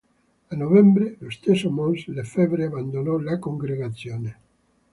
A novembre lo stesso mons. Lefebvre abbandonò la congregazione.